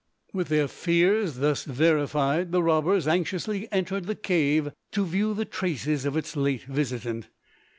With their fears thus verified, the robbers anxiously entered the cave to view the traces of its late visitant.